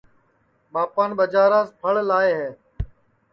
ٻاپان ٻجاراس پھڑ لائے ہے